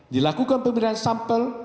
dilakukan pemberian sampel